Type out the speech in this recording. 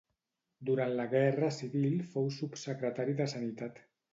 Durant la Guerra Civil fou subsecretari de sanitat.